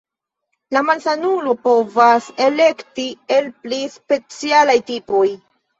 La malsanulo povas elekti el pli specialaj tipoj.